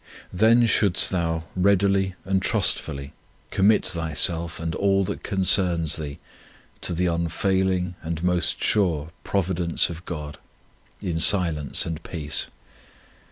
Then shouldst thou readily and trustfully commit thyself and all that concerns thee to the unfailing and most sure Providence of God, in silence and peace.